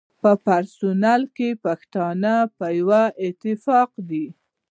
په سرپل کي پښتانه په يوه اتفاق دي.